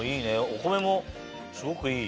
お米もすごくいい。